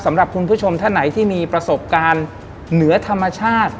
สำหรับคุณผู้ชมท่านไหนที่มีประสบการณ์เหนือธรรมชาติ